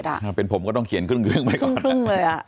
ถ้าเป็นผมก็ต้องเขียนครึ่งไปก่อน